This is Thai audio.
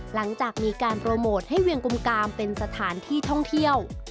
หลังจากมีการโปรโมทให้เวียงกุมกามเป็นสถานที่ท่องเที่ยว